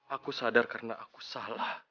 aku sadar karena aku salah